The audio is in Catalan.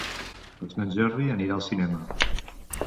Per Sant Jordi anirà al cinema.